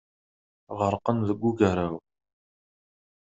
Ɣerqen deg ugaraw.